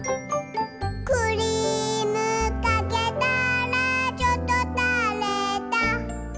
「くりーむかけたらちょっとたれた」